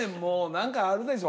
何かあるでしょ？